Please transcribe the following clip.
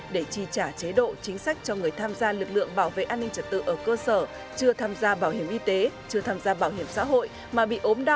để chi trả chế độ chính sách cho người tham gia lực lượng bảo vệ an ninh trật tự ở cơ sở